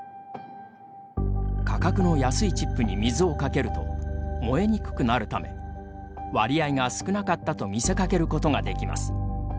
価格の安いチップに水をかけると燃えにくくなるため割合が少なかったと見せかけることができます。